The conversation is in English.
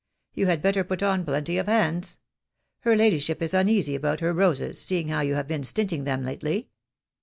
You had better put on plenty of hands. Her ladyship is uneasy about her roses, seeing how you have been stint ing them lately."